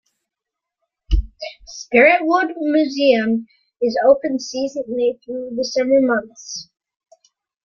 Spiritwood Museum is open seasonally throughout the summer months.